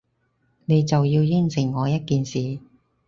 你就要應承我一件事